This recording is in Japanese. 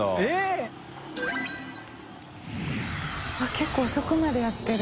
結構遅くまでやってる。